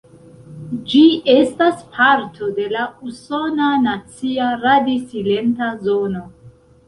Ĝi estas parto de la Usona Nacia Radi-Silenta Zono.